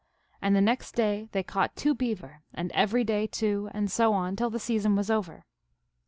And the next day they caught two beaver, and every day two, and so on, till the season was over.